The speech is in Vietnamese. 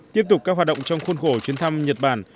tiếp tục các hoạt động trong khuôn khổ chuyến thăm nhật bản